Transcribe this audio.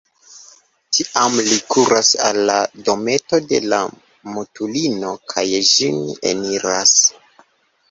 Tiam li kuras al la dometo de la mutulino kaj ĝin eniras.